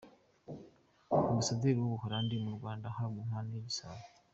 Ambasaderi w’Ubuhalandi mu Rwanda ahabwa impano y’igisabo.